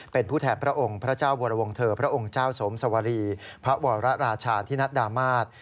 เป็นผู้แทนพระองค์พระเจ้าวรวงเถอร์พระองค์เจ้าสมสวรีพระวรราชาธินัดดามาศ